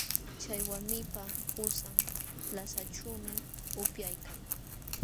Chay walmipa qusan plazaćhuumi upyaykan.